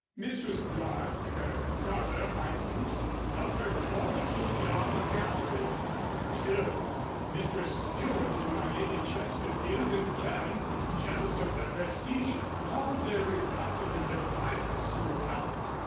Mistress Clerke, her color heightened, held her court up and down the gallery, until Mistress Stewart and my lady Chesterfield, in turn, jealous of their prestige, called their recalcitrant admirers to account.